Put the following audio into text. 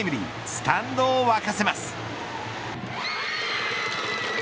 スタンドを沸かせます。